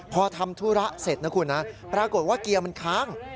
พอทำธุระเสร็จนะคุณนะปรากฏว่าเกียร์มันค้าง